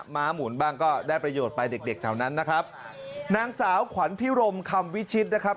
ม้าหมุนบ้างก็ได้ประโยชน์ไปเด็กเด็กแถวนั้นนะครับนางสาวขวัญพิรมคำวิชิตนะครับ